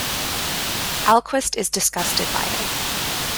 Alquist is disgusted by it.